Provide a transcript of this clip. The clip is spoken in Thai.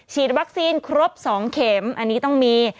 ฉีดวัคซีนครบ๒เข็มอันนี้ต้องมี